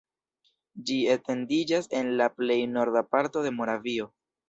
Ĝi etendiĝas en la plej norda parto de Moravio.